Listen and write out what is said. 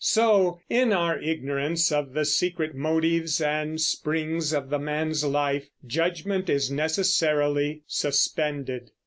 So, in our ignorance of the secret motives and springs of the man's life, judgment is necessarily suspended.